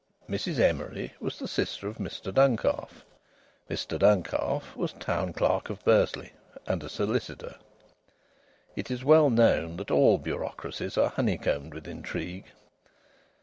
Mrs Emery was the sister of Mr Duncalf. Mr Duncalf was Town Clerk of Bursley, and a solicitor. It is well known that all bureaucracies are honey combed with intrigue.